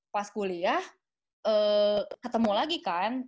pas kuliah ketemu lagi kan